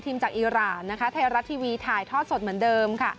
ทีมจากอิราณไทยรัสทีวีถ่ายทอดสดเหมือนเดิม